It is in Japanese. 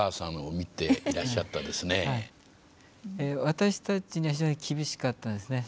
私たちには非常に厳しかったですね。